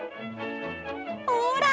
ほら！